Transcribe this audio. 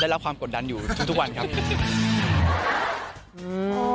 ได้รับความกดดันอยู่อยู่ทุกวันครับ